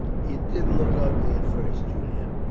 "It did look ugly at first, Julian.